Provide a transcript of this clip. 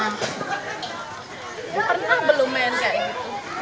pernah belum main kayak gitu